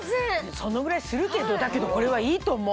そのぐらいするけどだけどこれはいいと思う。